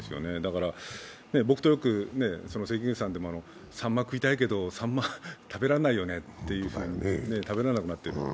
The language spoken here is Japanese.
だから僕とよく関口さんもサンマ食いたいけど、サンマ食べられないよねって食べられなくなっている。